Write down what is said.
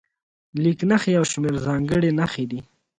لیک نښې یو شمېر ځانګړې نښې دي.